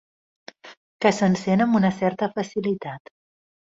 Que s'encén amb una certa facilitat.